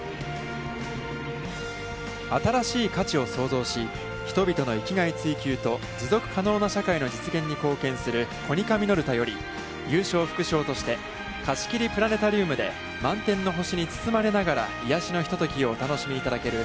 「新しい価値」を創造し、人々の生きがい追求と持続可能な社会の実現に貢献するコニカミノルタより、優勝副賞として、貸し切りプラネタリウムで満天の星に包まれながら癒しのひと時をお楽しみいただける